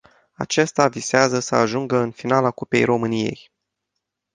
Acesta visează să ajungă în finala cupei româniei.